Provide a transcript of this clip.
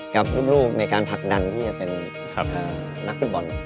กับลูกในการผลักดันที่จะเป็นนักฟุตบอล